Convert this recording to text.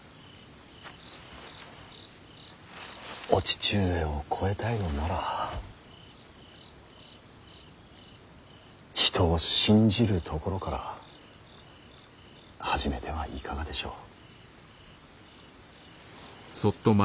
お父上を超えたいのなら人を信じるところから始めてはいかがでしょう。